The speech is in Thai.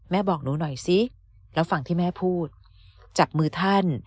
บอกหนูหน่อยซิแล้วฝั่งที่แม่พูดจับมือท่าน